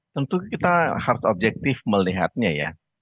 tentu kita harus objektif melihatnya ya